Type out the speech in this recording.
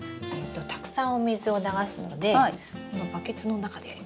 たくさんお水を流すのでこのバケツの中でやりましょう。